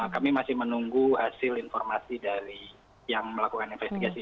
kami masih menunggu hasil informasi dari yang melakukan investigasi